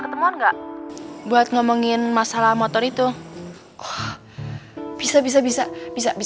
tolong jangan pusing aku dari rumah ini